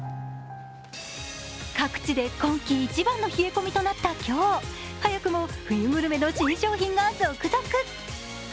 各地で今季一番の冷え込みとなった今日早くも冬グルメの新商品が続々。